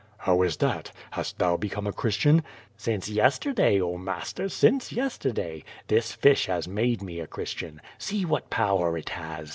'^ow is that? Hast thou become a Christian?" "Since yesterday, oh, master, since yesterday. This fish has made me a Christian. See what power it has.